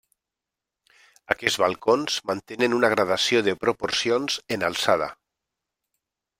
Aquests balcons mantenen una gradació de proporcions en alçada.